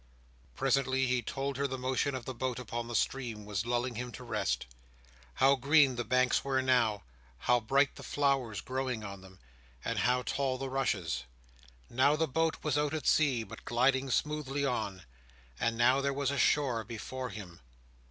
Presently he told her the motion of the boat upon the stream was lulling him to rest. How green the banks were now, how bright the flowers growing on them, and how tall the rushes! Now the boat was out at sea, but gliding smoothly on. And now there was a shore before him.